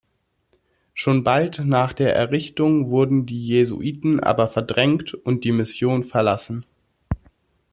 Schon bald nach der Errichtung wurden die Jesuiten aber verdrängt und die Mission verlassen.